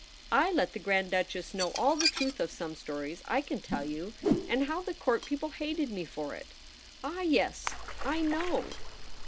/ let the Grand Duchess know all the truth of some stories, I can tell you ; and how the Court people hated me for it ! Ah, yes ;/ know.'